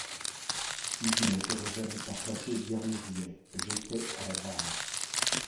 Puis il interrogea le passager guernesiais: — J’étais à la barre.